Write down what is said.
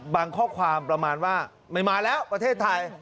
ข้อความประมาณว่าไม่มาแล้วประเทศไทย